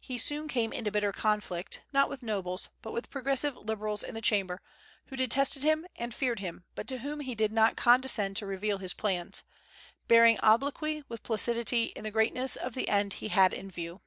He soon came into bitter conflict, not with nobles, but with progressive liberals in the Chamber, who detested him and feared him, but to whom he did not condescend to reveal his plans, bearing obloquy with placidity in the greatness of the end he had in view.